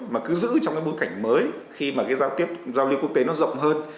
mà cứ giữ trong bối cảnh mới khi mà giao lưu quốc tế nó rộng hơn